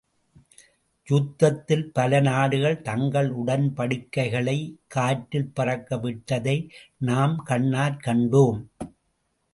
யுத்தத்தில் பலநாடுகள் தங்களுடன்படிக்கைகளைக் காற்றில் பறக்க விட்டதை நாம் கண்ணாற் கண்டோம்.